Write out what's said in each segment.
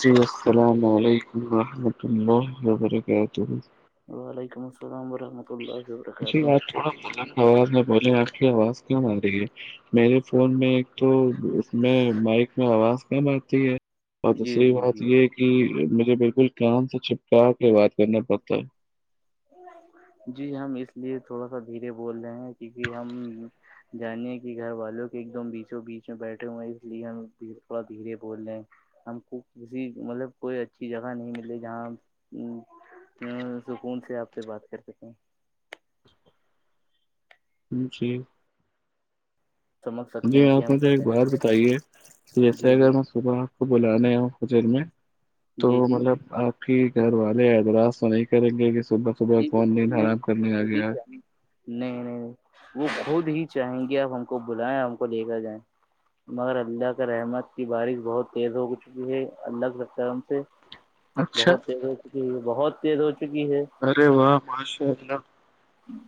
جی السلام علیکم ورحمۃ اللہ وبرکاتہ وعلیکم السلام ورحمۃ اللہ وبرکاتہ تھڑ م آواز میں بولے آپ کی آواز کیوں آ رہی ہے میرے فون میں ایک تو اس میں مائک میں آواز کم آتی ہے اور جی دوسری جی بات جی یہ کہ مجھے بالکل کان سے چھپکا کے بات کرنا پڑتا ہے جی ہم اس لیے تھوڑا سا دھیرے بول رہے ہیں کیونک ہم جانے کہ گھر والوں کے ایک دم بیچوں بیچ میں بیٹھے ہوئے ہیں اس لیے ہم تھوڑا دھیرے بول رہے ہیں ہم کو کسی مطلب کوئی اچھی جگہ نہیں ملے جہاں سکون سے آپ سے بات کر سکتے ہیں جی سمجھ جی سکتے ہیں کہ آپ ہم مجھے کیا ایک کہنا بات چاہ رہے بتائیے ہیں جیسے جی اگر جی صبح آپ کو بلانے ہے ہوٹل میں تو جی جی مطلب آپ کہ گھر والے اعتراض تو نہیں کریں گے کہ صبح صبح جی کون دین بالکل نہیں آرام وہ کرنے آ خود ہی گیا چاہیں نہیں نہیں وہ خود ہی چاہیں گی آپ ہم کو بلائیں ہم کو لے کر جائیں مگر اللہ کا رحمت کی بارش بہت تیز ہو چکی ہے اللہ کے سترم سے [unintelligible] بہت تیز ہو چکی ہے بہت تیز ہو چکی ہے ارے واہ ماشاءلہ ہوں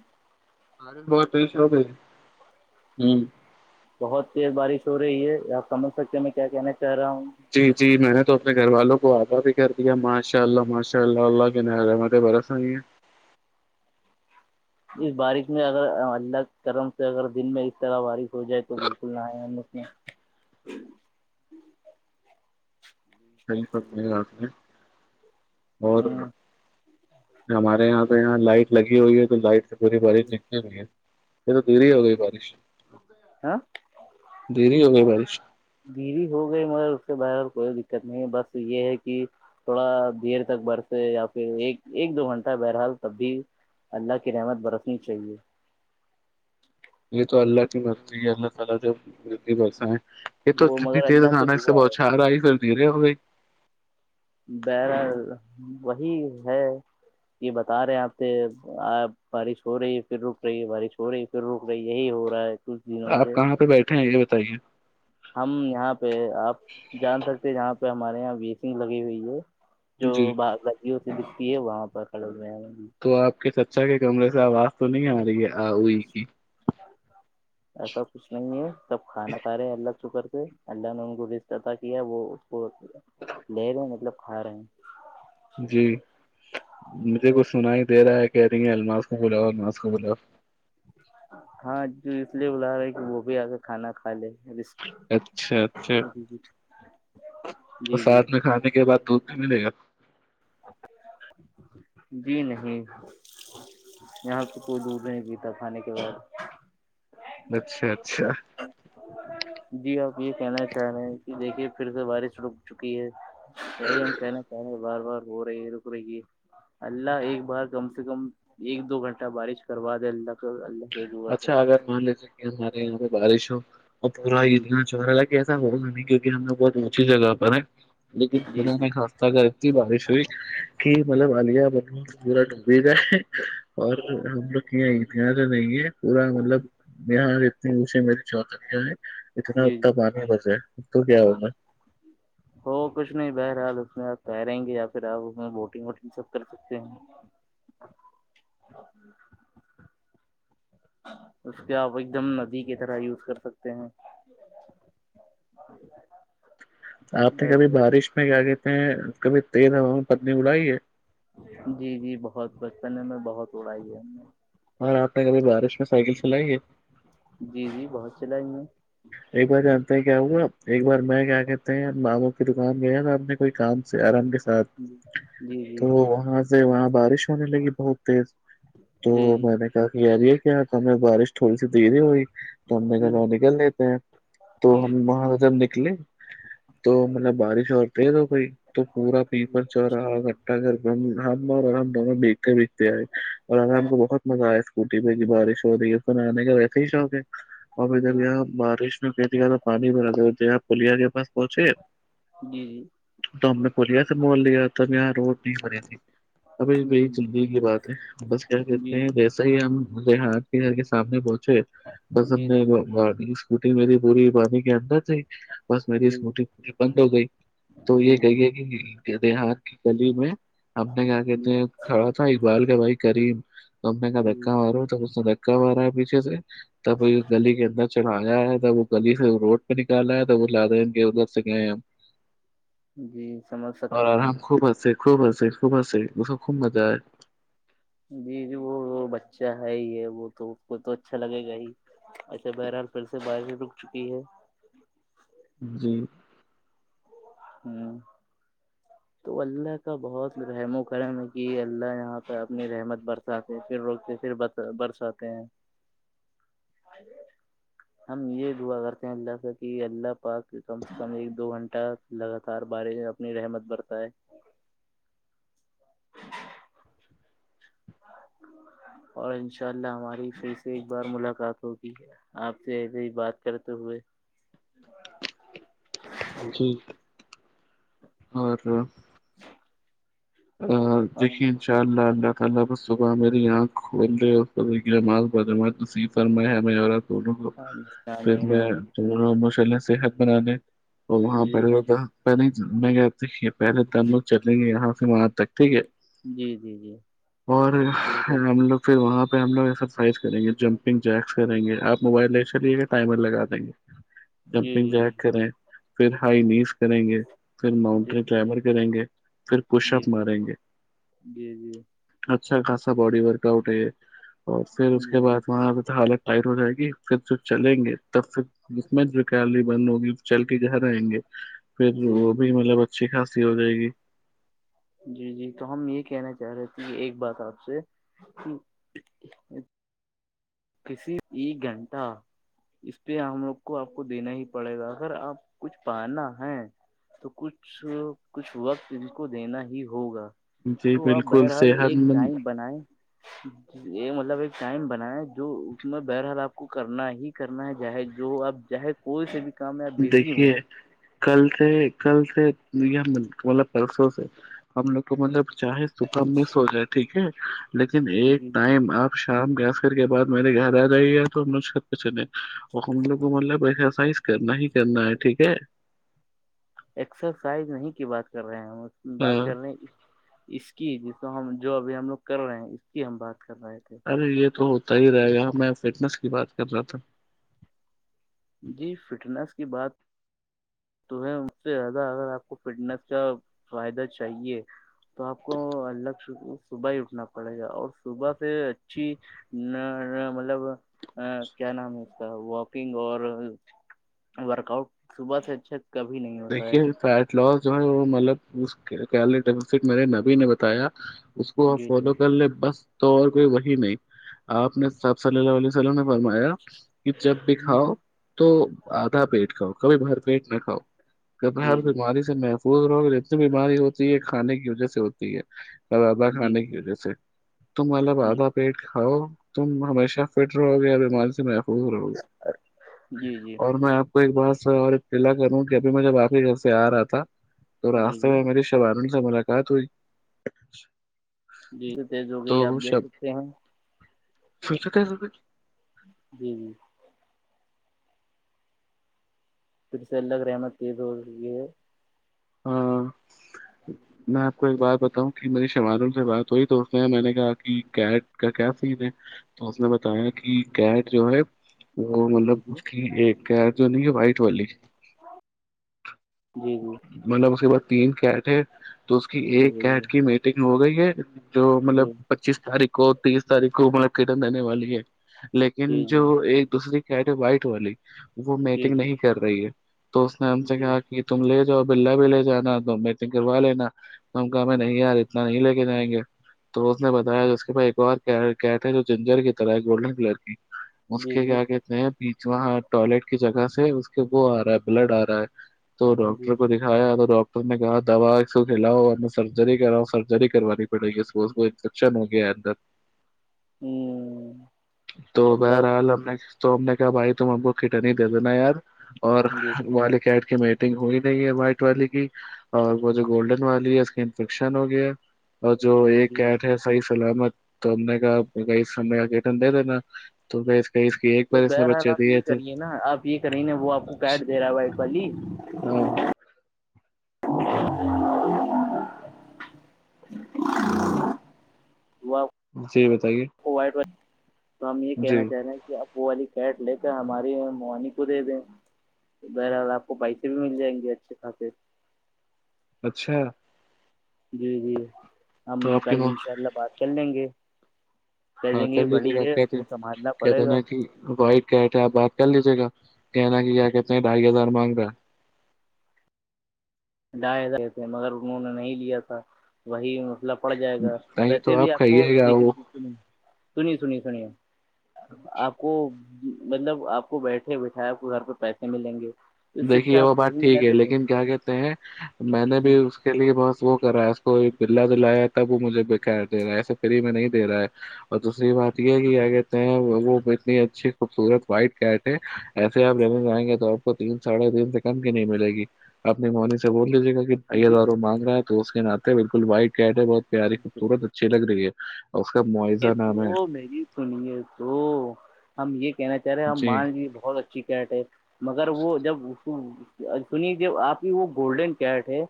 مارے بت تئی شو کہ بہت تیز بارش ہو رہی ہے آپ سمجھ سکتے میں کیا کہنا چاہ رہا ہوں جی جی میں نے تو اپنے گھر والوں کو آگاہ بھی کر دیا ماشاء اللہ ماشاء اللہ اللہ کے نت ا برا س نہیں ہے اس بارش میں اگر اللہ کرم سے اگر دن میں اس طرح بارش ہو جائے تو بالکل نہ آیا ہم مھ یہ صی سب ہیں اور ہ ہمارے یہاں پہ یہاں لائٹ لگی ہوئی ہے تو لائٹ سے بری بار دکتے بھی ہے یہ تو دری ہو گئی بارش ہاں دھیری ہو گئی بارش بیوی ہو گئی مگر اس کے باہر کوئی دقت نہیں ہے بس یہ ہے کہ تھوڑا دیر تک برس یا پھر ایک ایک دو گھنٹہ بہرحال تب بھی اللہ کی رحمت برفنی چاہیے یہ تو اللہ کی مرضی ہے اللہ تع مری بسا ہے یہ تو وہ اتنی مگر تیز اللہ اچانک سے دعا بہتچ چار آئی پھر دھیرے ہو گئی بر وہی ہے یہ بتا رہے ہیں آپ سے آ بارش ہو رہی ہے پھر رک رہی ہے بارش ہو رہی رک رہ یہی ہو رہا ہے کچھ دنوں آپ سے کہاں پہ بیٹھے ہیں یہ بتائیے ہم یہاں پہ آپ جان سکتے جہاں پہ ہمارے یہاں ویسنگ لگی ہوئی ہے جو جی گلییوں سے دکھتی ہے وہاں پر کھڑک گیا تو آپ کے چچا کے کمرے سے آواز تو نہیں آ رہی ہے آوئی کی [inaudible] ایسا کچھ نہیں ہے سب کھانا کھا رہے ہیں اللہ شکر سے اللہ نے ان کو رش اطا کیا وہ وہ لے ل مطلب کھا رہے ہیں جی مجھے کچھ سنائی دے رہا ہے کہہ رہی ہیں الماس کو بلا الماس کو بلاؤ ہاں جو اس لیے بلا رہا ہے کہ وہ بھی آ کے کھانا کھا لے اچھا اچھا جی جی اور جی جی سات میں کھانے کے بعد دودھ بھی ملے گا جی نہیں یہاں تو کوئی دودھ نہیں پیتا کھانے کے بعد اچھا اچھا جی آپ یہ کہنا چاہ رہے ہیں کہ دیکھیے پھر سے بارش رک چکی ہے صی ہم کہنا کہ رہ بار بار ہو رہی رک رہی ہے اللہ ایک بار کم سے کم ایک دو گھنٹہ بارش کروا دے اللہ کا اللہ سے دعا ہے اچھا اگر مان لیجیے کہ ہمارے یہاں پ بارشوں اور جی جی پورات چا لگ ایسا ہوگا نہیں کیوںک ہم نے بہت اونچی جگہ پر ہے لیکن جی جی کھنا خاص اگر اتنی بارش ہوئی کہ مطلب آیا ب پورا ڈوبی گیا اور ہم لوگ ات تو نہیں ہے پورا مطلب یہاں اتنی اوشے م ہے اتنا جی جی اتنا پانی بس ہے تو کیا ہوا ہو کچھ نہیں بہرحال اس میں آپ کہہیں گے یا پھر آپ اس میں بوٹنگ ووٹنگ سب کر سکتے ہیں اس کے آپ ایک دم ندی کی طرح یوز کر سکتے ہیں [inaudible] آپ نے کبھی ویسے بارش میں کیا کہتے ہیں کبھی تیز ہوا میں پتنی اڑائی ہے جی جی بہت بچپن میں بہت اڑائی ہے اورگر آپ نے کبھی بارش میں سائیکل چلائی ہے جی جی بہت چلائی ہیں ایک بار جانتے کیا ہوا ایک بار میں کیا کہتے ہیں باموں کی دکان گیا ن آپ نے کوئی کام سے آرام کے ساتھ جی جی تو جی وہاں سے وہاں بارش ہونے لگی بہت تیز تو جی میں نے کہا کہ یار ہے کیا ہمیں بارش تھوڑی سی دری ہوئی تو ہم نے جی گھرو نکل رہ تو جی ہم وہاں سے جب نکلے تو مطلب بارش ہوتے تو کوئی تو پورا جی پیپل چ رہا ہم اور ہم دونوں دیکھ کے بھیچھتےئے اور اگر ہم کو بہت مزہ آیا اس [unintelligible] اسکٹی پہ کی بارش ہوی ن آنے کا وسا ہی شوق ہے ابھی جب یہ بارش ک تو پانی بھر د پلیا کے پس پہنچی جی تو ہم نے پوریا سے مول لیا تھا میںاں روڈ نہیں بری تھی اب جی جی بی جی جلگی کی بات ہے بس کیا جی کہتے ہیںسا ص ہی ہم لیہات کے گھر کے سامنے پہنچے بس ہم جی نے اسکوٹی میری پوری پانی کے اندر تھی بس میری جی اسکوٹی اس بند ہو گئی تو یہ کہیے کہ دیہات کلیم ہے ہم نے کیا کہتے جی ہیں کھڑا تھا اقبال کا بھائی کریم ا کا جی دھکا مارا ہ اس دکا مارا ہے پیچے سے تب گلی کے اندر چلا یا ہے وہ گلی سے روڈ پہ نکال رہا ہے تو وہ لاد ادھر سے گئے ہم جی سمجھ اور سکتے ہیں آر ہم خوب ہنس خوب ہنس خوب ہنس اس کو خوب مزہ آئے جی جی وہ وہ بچہ ہے ہی ہے وہ تو اس کو تو اچھا لگے گا ہی اچھا بہرحال پھر سے بارش رک چکی ہے جی ہوں تو اللہ کا بہت رحم و کرم ہے کہ اللہ یہاں پہ اپنی رحمت برساتے پھر رکتے پھر برساتے ہیں ہم یہ دعا کرتے ہیں اللہ سے کہ اللہ پاک کم سے کم ایک دو گھنٹہ لگاتار بارش میں اپنی رحمت بڑھتا ہے اور انشاء اللہ ہماری پھر سے ایک بار ملاقات ہوگی آپ سے ایسے ہی بات کرتے ہوئے جی اور ا اور دیکھیں ان شاء اللہ اللہ تعالی صبح میرے یہاں کھول رہ بدم فرمائے ہم ع توون کو آمین آمین میں ماشاء اللہ صحت بنانے اور وہاں پڑ جی رہ تھا پہلے میں کہ پہلے د ہم لوگ چلیں گے یہاں سے وہاں تک ٹھیک ہے جی جی جی اور بالکل ہم لوگ پھر وہاں پہ ہم لگ ایکسرسائز کریں گے جمپنگ جیکس کریں گے آپ موبائل لے چلیے گا ٹائمر لگا دیں گے جی جمپنگ جی جیک جی کریں پھر ہائی نیز کریں گے پھر جی جی ماؤنٹین کلائمبر کریں گے پھر پش جی اپ ماریں گے جی اچھا خاصا باڈی ورک آؤٹ ہے یہ اور پھر اس کے بعد وہاں پہ تو حالت ٹائٹ ہو جائے گی پھر تو چلیں گے تب پھر ج میں جوکلی بند ہوگی چل کے گھر آئیں گے پھر جی وہ جی بھی مطلب اچھی خاصی ہو جائے گی جی جی تو ہم یہ کہنا چاہ رہے تھے ایک بات آپ سے کہ کسی ای گھنٹہ اس پہ ہم لوگ کو آپ کو دینا ہی پڑے گا اگر آپ کچھ پانا ہے تو کچھ کچھ وقت ان کو دینا ہی ہوگا جی تو آپ بالکل بہرحال صحت ایک ٹائم مند بنائے مطلب ایک ٹائم بنائےیں جو اس میں بہرحال آپ کو کرنا ہی کرنا ہے جاہے جو آپ جاہے کوئی سے بھی کامیاب دیکھیے کل سے کل سے مطلب پرسوں سے ہم لوگ کو مطلب چاہے صپح مس ہو جائے ٹھیک ہے لیکن ایک جی جی ٹائم آپ شام گس کر کے بعد میرے گھر آ جائیے گا تو ہمو چل اور ہم لوگ کو مطلب ایکسرسائز کرنا ہی کرنا ہے ٹھیک ہے ایکسرسائز نہیں کی بات کر رہے ہیں بات ہاں کرنے اس کی جیس ہم جو ابھی ہم لوگ کر رہے ہیں اس کی ہم بات کر رہے تھے ارے یہ تو ہوتا ہی رہے گا میں فٹنس کی بات کر رہا تھا جی فٹنس کی بات تو اس سے زیادہ اگر آپ کو فٹنس کا فائدہ چاہیے تو آپ کو الگ سے صبح ہی اٹھنا پڑے گا اور صبح سے اچھی نہ مطلب کیا نام ہے اس کا واکنگ اور ورک آؤٹ صبح سے اچھا کبھی نہیں ہوتا ہے دیکھیے فیٹ لاس جو ہے وہ مطلب اس ڈٹ مے نبی نے بتایا اس کو جی جی فالو کر لیں بس تو اور کوئی وہی نہیں آپ نے سب صلی اللہ علیہ وسلم نے فرمایا کہ جب بھی جی کھاؤ تو آدھا پیٹ کھؤ کبھی باہر پیٹ نہ کاؤ جب ہر جی جی بیماری سے محفوظ رہو گ اتنی بیماری ہوتی ہے کھانے کی وجہ سے ہوتی ہے رادھا جی کھانے کی وجہ سے تو مطلب جی ردھا پیٹ کھاؤ تم ہمیشہ فٹ رہو گے یا بیماری سے محفوظ رہو گے جی جی اور میں آپ کو ایک بات اور کلا کروں کہ ابھی میں جب آپ ہی گھر سے آ رہا تھا تو جی راستے جی میں میری شوار سے ملاقات ہوئی جی تو تیز ہو تو گئی آپ دیکھ سکتے ہیں سچ ستے ہے س جی جی پھرسلہ کر م تیدے ہاں میں آپ کو ایک بار بتاؤں کہ میری شمارم سے بات ہوئی تو اس نے میں نے کہا کہ کیٹ کا کیا سیز ہے تو اس نے بتایا کہ گٹ جو ہے وہ مطلب جی جی اس کی ایکید جو ن وائٹ والی جی جی مطلب اس کے بعس تین کیٹ ہے تو اس کی ایک جی کیٹ کی میٹنگ ہو گئی ہے جو مطلب جی جی پچیس تاریخ کو تیس تاریخ کو مطلب کرٹن رہنے والی ہے لیکن جی جی جو ایک دوسری کیٹ ہے وائٹ والی وہ جی میٹنگ نہیں کر رہی ہے تو اس نے ہم سے جی کہا کہ تم لے جاؤ بلا بھی لے جانا تو میٹنگ کروا لینا ہم کہ نہیں یار اتنا نہیں لے کے جائیں گے تو اس نے بتایا اس کے پا ایک اور کیٹ ہے جو جنجر کی طرح گولڈن کلر کی م جی کے کیا آ جی کے میں بیچ وہاں ٹوائلٹ کی جگہ سے اس کے وہ آ رہا ہے بلڈ آ رہا ہے تو جی ڈاکٹر کو د کھایا تو ڈاکٹر نے کہا د دو سو کھیلاؤ سرجری کراؤ سرجری کر پڑے گی س کو انفیکشن ہو گیا اندر ہ تو ب اللہ آال ہم نے تو ہم نے کہا بھائی تم ہم کو کٹنی دے دینا یار اور جی جی جی والی کیڈ کی میٹنگ ہوئی وائٹ والی کی اور وہ جو گولڈن والی ہے اس کا انفیکشن ہو گیا اور جو ایک جی کیٹ ہے صحیح سلامت تو ہم نے کہا اس سم آگٹن دے دینا تو ایک تو بار اس نے بہرحال بچے آپ دیے یہ تھے کریے نا آپ یہ کریں نا وہ آپ کو کاٹ دے رہا ہے بائی والی ہاں [unintelligible] وہ جی بتائیے وائٹ و تو ہم یہ جی کہنا چاہ رہے ہیں کہ اب وہ والی کیٹ لے کر ہماری موانی کو دے دیں تو بہرحصال آپ کو پیسے بھی مل جائیں گے اچھے خھصے اچھا جی جی ہم تو آپ کی کل ماں انشاء اللہ بات کر لیں گے کہہ ہاں دیں گے کر یہ لیجے بڑی گا ہے اس کہتے کو سنبھالنا کہتے پڑے گا نا کہ وائٹ کہ تھے آپ بات کر لیجیے گا کہ نا کہ کیا کہتے ہیں ڈھائی ہزار مانگا ہے ڈھائی ہزار تھے مگر انہوں نے نہیں لیا تھا وہی مطلب پڑ جائے گا ہے نہیں تو ویسے بھی آپ کو کھائیے گا وہ سنیے سنی سنیے آپ کو مطلب آپ کو بیٹھے بیٹھائے آپ کو گھر پہ پیسے ملیں گے اس سے دیکھیے اچھا آپ وہ دو ہی بات ٹھیک مہینے ہے دے لیکن کیا کہتے ہیں میں نے دیں بھی اس کے لیے بس وہ کر رہا ہے اس کو بلا دلایا ہے تب وہ مجھے بکیر دے رہا ہے ایسے فری میں نہیں دے رہا ہے اور دوسری بات یہ ہے کہ کیا کہتے ہیں وہ اتنی اچھی خوبصورت وائٹٹ ایسے آپ رگ بائیں گے تو آپ کو تین سڑھے تین سے کم کی نہیں ملے گی اپنی مونی سے بول لیجیے گا کہ ازاروں مانگ رہا ہے تو اس کے ناے بالکل وائٹ کیٹ ہے بہت پیاری خبورت اچھی لگ رہی ہے [unintelligible] یہ ہے تو میری سنیے تو ہم یہ کہنا چاہ رہے ہم جی مان لیجے بہت اچھی کیٹ ہے مگر وہ جب سنیے ج آپ کی وہ گولڈن کیٹ ہے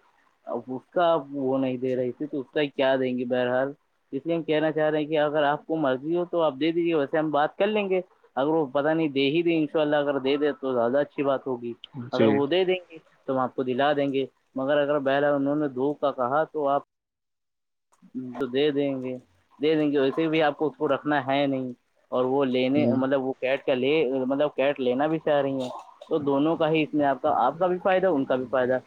ا اس کا آپ وہ نہیں دے رہی تھی تو اس کا کیا دیں گی بہرحال اس لیے ہم کہنا چاہ رہے ہیں کہ کہ اگر آپ کو مرضی ہو توپ دے دیجیے ویسے ہم بات کر لیں گے اگر وہ پتہ نہیں دے ہی د ان شاء اللہ اگر دے دے تو زیادہ اچھی بات ہوگی اگر جی وہ دے دیں گے تو آپ کو دلا دیں گے مگر اگر بیہلا انہوں نے دھو کا کہا تو آپ تو دے دیں گے دے دیں گے ویسے بھی آپ کو اس کو رکھنا ہے نہیں اور وہ لینے ہوں مطلب وہ کیٹ کا لے مطلب کیٹ لینا بھی چاہ رہی ہیں تو دونوں کا ہی ا میں آپ کا آپ کا بھی فائدہ ان کا بھی فائد ہے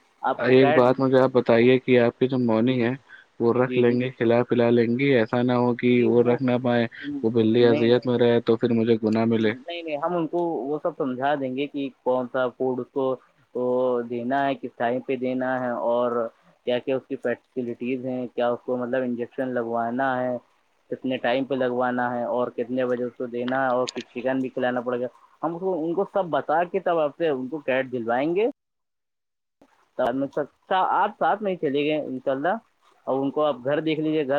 ایک بات مجھے آپ بتائیے کہ آپ کی جو جی موونگ جی ہے وہ رکھ جی لیں جی گے کھلا پلا لیں گے ایسا نہ ہو کہ وہ رکھ نہ پائائے وہ بلی نہیں نہیں ازیت میں رہے تو پھر مجھے گنااہ ملے نہیں ہم ان کو وہ سب سمجھا دیں گے کہ کون سا فوڈ اس کو وہ دینا ہے کس ٹائم پہ دینا ہے اور کیا کیا اس کی فیسلٹیز ہیں کیا اس کو مطلب انجیکشن لگوانا ہے کتنے ٹائم پہ لگوانا ہے اور کتنے بجے اس کو دینا ہے اور چکن بھی کھلانا پڑے گا ہم اس کو ان کو سب بتا کے تب آپ سے ان کو کیٹ جھلوائیں گے س میں ستا آپ ساتھ میں ہی چلے گئے انشاء اللہ ا ان کو آپ گھر دیکھ لیجیے گھر